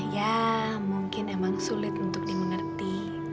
ya mungkin emang sulit untuk dimengerti